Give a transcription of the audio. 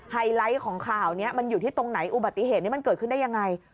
ไฮไลท์ของข่าวนี้มันอยู่ที่ตรงไหนอุบัติเหตุนี้มันเกิดขึ้นได้ยังไง